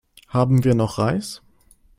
Haben wir noch Reis?